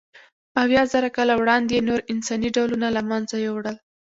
اویازره کاله وړاندې یې نور انساني ډولونه له منځه یووړل.